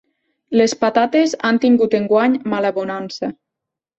Les patates han tingut enguany malabonança.